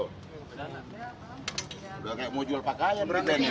udah kayak mau jual pakaian berarti